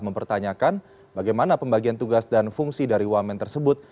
mempertanyakan bagaimana pembagian tugas dan fungsi dari wamen tersebut